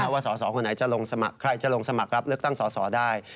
สสคนไหนจะลงสมัครใครจะลงสมัครรับเลือกตั้งสอสอได้